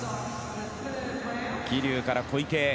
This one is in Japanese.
桐生から小池へ。